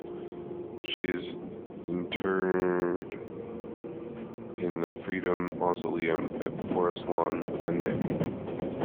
She is interred in the Freedom Mausoleum, at Forest Lawn Glendale.